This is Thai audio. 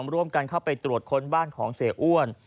ร่วมกันเข้าไปตรวจค้นบ้านของเสียอ้วน